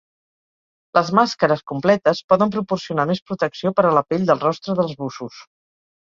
Les màscares completes poden proporcionar més protecció per a la pell del rostre dels bussos.